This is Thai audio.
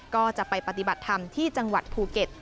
ก็จะไปปฏิบัติธรรมที่จังหวัดภูเก็ต